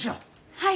はい。